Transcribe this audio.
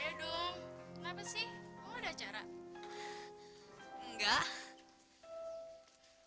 ada dong enggak